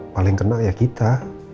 paling kena ya kita